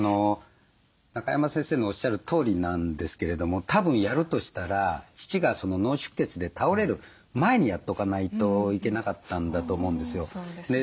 中山先生のおっしゃるとおりなんですけれどもたぶんやるとしたら父が脳出血で倒れる前にやっとかないといけなかったんだと思うんですよ。